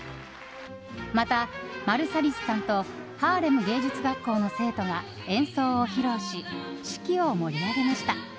また、マルサリスさんとハーレム芸術学校の生徒が演奏を披露し式を盛り上げました。